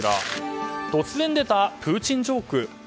突然出たプーチンジョーク。